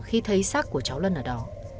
khi thấy sát của cháu lân ở đó